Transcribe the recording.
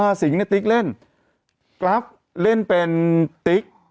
ช่วงว่าสิงค์ที่นะติ๊กเล่นและกรัฟเล่นติ๊ก